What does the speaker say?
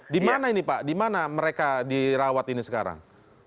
di mana ini pak di mana mereka dirawat ini sekarang